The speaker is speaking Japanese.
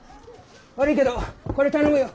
悪いけどこれ頼むよ。